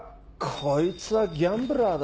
こいつはギャンブラーだ。